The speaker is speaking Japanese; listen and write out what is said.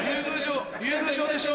竜宮城でしょ？